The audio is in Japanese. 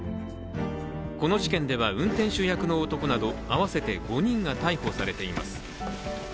この事件では運転手役の男など合わせて５人が逮捕されています。